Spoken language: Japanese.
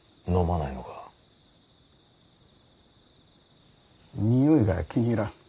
においが気に入らん。